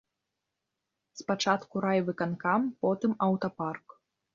Спачатку райвыканкам, потым аўтапарк.